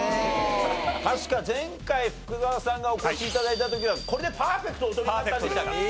確か前回福澤さんがお越し頂いた時はこれでパーフェクトをお取りになったんでしたか。